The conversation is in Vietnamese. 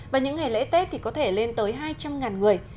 và những ngày lễ tết thì có thể lên tới hai trăm linh người